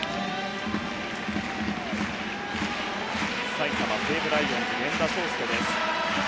埼玉西武ライオンズ源田壮亮です。